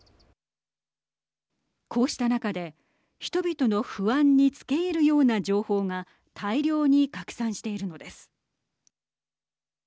こうした中で、人々の不安につけいるような情報が大量に拡散しているのです。